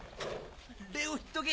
礼を言っとけ。